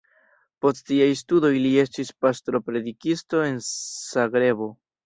Post siaj studoj li estis pastro-predikisto en Zagrebo.